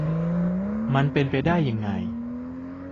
มันเป็นไปได้ยังไง